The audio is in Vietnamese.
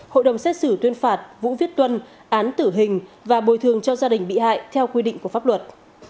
hội đồng xét xử tuyên phạt vũ viết tuân án tử hình và bồi thường cho gia đình bị hại theo quy định của pháp luật